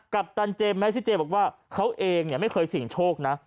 ปตันเจแม็กซิเจบอกว่าเขาเองไม่เคยเสี่ยงโชคนะ